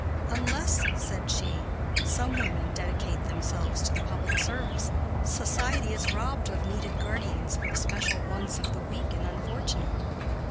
"Unless," said she, "some women dedicate themselves to the public service, society is robbed of needed guardians for the special wants of the weak and unfortunate.